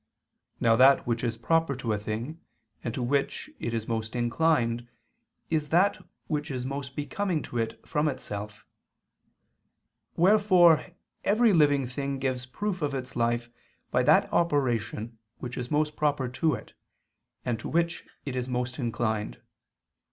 Now that which is proper to a thing and to which it is most inclined is that which is most becoming to it from itself; wherefore every living thing gives proof of its life by that operation which is most proper to it, and to which it is most inclined.